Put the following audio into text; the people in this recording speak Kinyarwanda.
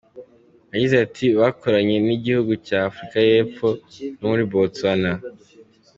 Yagize ati “bakoranye n’igihugu cya Afurika y’Epfo no muri Botswana.